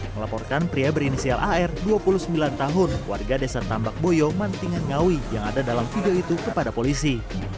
melaporkan pria berinisial ar dua puluh sembilan tahun warga desa tambak boyo mantingan ngawi yang ada dalam video itu kepada polisi